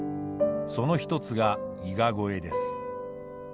その一つが伊賀越えです。